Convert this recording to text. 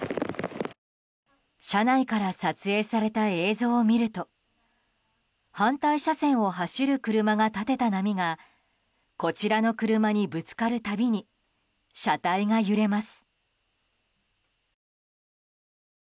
車内から撮影された映像を見ると反対車線を走る車が立てた波がこちらの車にぶつかる度に車体が揺れます。